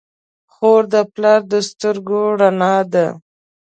خور د پلار د سترګو رڼا ده.